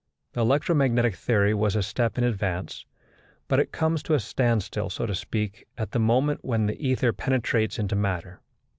The electromagnetic theory was a step in advance, but it comes to a standstill, so to speak, at the moment when the ether penetrates into matter.